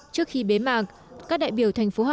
trước khi bế mạc các đại biểu tp hà nội đã bế mạc